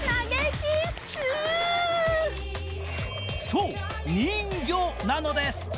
そう、人魚なのです。